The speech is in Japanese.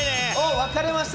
分かりました。